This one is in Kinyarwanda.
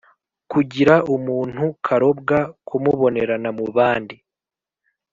" kugira umuntu karobwa = kumubonerana mu bandi